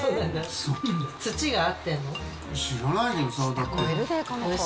土が合ってるの？